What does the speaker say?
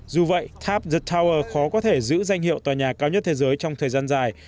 dù vậy tháp the tower khó có thể giữ danh hiệu tòa nhà cao nhất thế giới trong thời gian dài